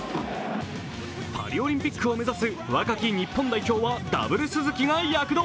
パリオリンピックを目指す若き日本代表はＷ鈴木が躍動。